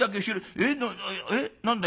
えっ何だい？